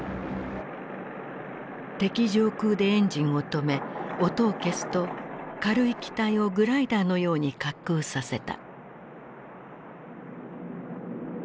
敵上空でエンジンを止め音を消すと軽い機体をグライダーのように滑空させた。